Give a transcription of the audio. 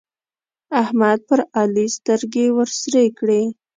احمد پر علي سترګې ورسرې کړې.